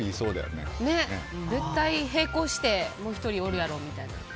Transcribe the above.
絶対並行してもう１人おるやろみたいな。